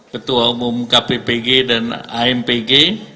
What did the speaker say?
ketua umum kp pg dan ampg